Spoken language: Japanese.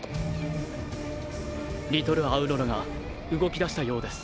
リトルアウロラが動きだしたようです。